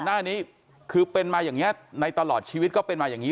หน้านี้คือเป็นมาอย่างนี้ในตลอดชีวิตก็เป็นมาอย่างนี้